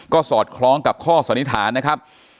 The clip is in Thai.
ก็สอดคล้องกับข้อสันนิษฐานนะครับ